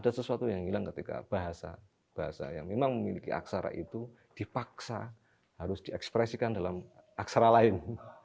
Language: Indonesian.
ada sesuatu yang hilang ketika bahasa bahasa yang memang memiliki aksara itu dipaksa harus diekspresikan dalam aksara lain